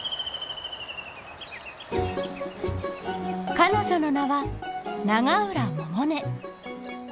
彼女の名は永浦百音。